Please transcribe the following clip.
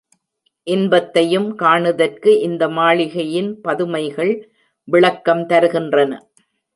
இன்பத்தையும் காணுதற்கு இந்த மாளிகையின் பதுமைகள் விளக்கம் தருகின்றன.